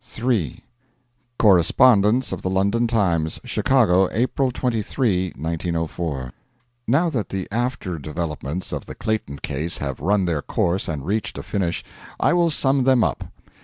M.T. III Correspondence of the 'London Times' Chicago, April 23, 1904 Now that the after developments of the Clayton case have run their course and reached a finish, I will sum them up.